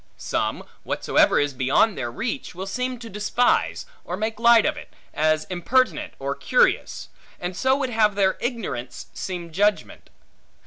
Some, whatsoever is beyond their reach, will seem to despise, or make light of it, as impertinent or curious; and so would have their ignorance seem judgment.